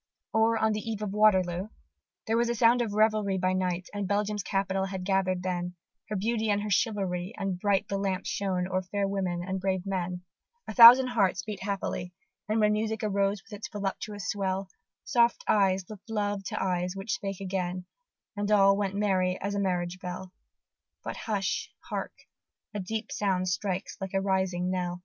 or, on the eve of Waterloo, There was a sound of revelry by night, And Belgium's capital had gather'd then Her Beauty and her Chivalry, and bright The lamps shone o'er fair women and brave men; A thousand hearts beat happily; and when Music arose with its voluptuous swell, Soft eyes look'd love to eyes which spake again, And all went merry as a marriage bell; But hush! hark! a deep sound strikes like a rising knell!